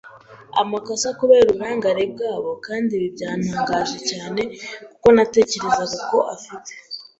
amakosa kubera uburangare bwabo. Kandi ibi byantangaje cyane, kuko natekerezaga ko afite